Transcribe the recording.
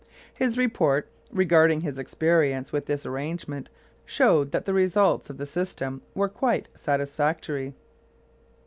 His report regarding his experience with this arrangement showed that the results of the system were quite satisfactory.